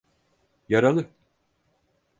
Yaralı…